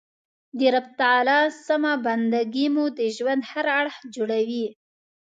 د رب تعالی سمه بنده ګي مو د ژوند هر اړخ جوړوي.